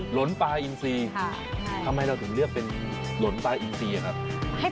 หลนปลาอินซีทำไมเราถึงเลือกเป็นหลนปลาอินซีอะครับ